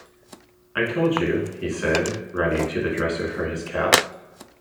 “I told you!” he said, running to the dresser for his cap.